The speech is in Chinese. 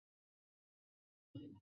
圣奥诺雷莱班人口变化图示